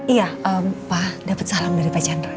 iya pak dapet salam dari pas chandra